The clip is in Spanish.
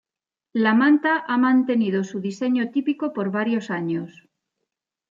La manta ha mantenido su diseño típico por varios años.